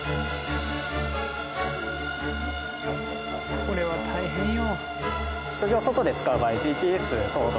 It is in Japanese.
これは大変よ。